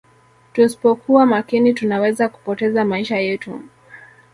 tuspokuwa makini tunaweza kupoteza maisha yetu